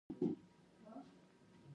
هغه د ازادۍ سندره ویله.